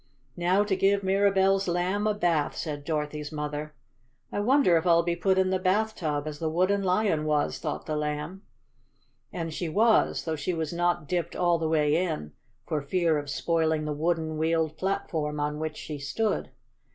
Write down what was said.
"Now to give Mirabell's Lamb a bath," said Dorothy's mother. "I wonder if I'll be put in the bathtub, as the Wooden Lion was," thought the Lamb. And she was, though she was not dipped all the way in, for fear of spoiling the wooden, wheeled platform on which she stood.